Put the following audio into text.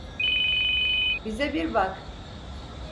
Bize bir bak.